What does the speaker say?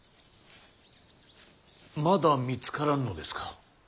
まだ見つからんのですか。